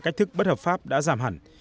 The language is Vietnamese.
cách thức bất hợp pháp đã giảm hẳn